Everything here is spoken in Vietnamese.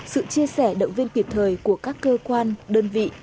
sự chia sẻ động viên kịp thời của các cơ quan đơn vị